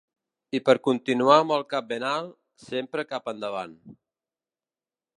I per continuar amb el cap ben alt, sempre cap endavant.